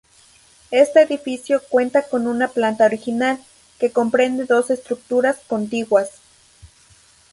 Este edificio cuenta con una planta original, que comprende dos estructuras contiguas.